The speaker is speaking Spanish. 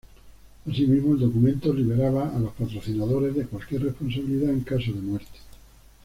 Asimismo, el documento liberaba a los patrocinadores de cualquier responsabilidad en caso de muerte.